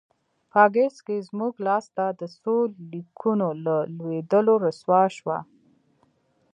په اګست کې زموږ لاسته د څو لیکونو له لوېدلو رسوا شوه.